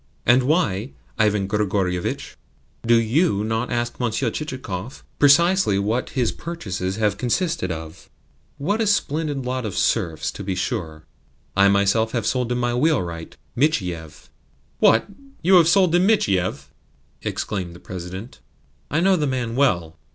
"And why, Ivan Grigorievitch, do YOU not ask Monsieur Chichikov precisely what his purchases have consisted of? What a splendid lot of serfs, to be sure! I myself have sold him my wheelwright, Michiev." "What? You have sold him Michiev?" exclaimed the President. "I know the man well.